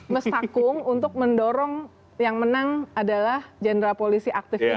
semestakung untuk mendorong yang menang adalah general policy active ini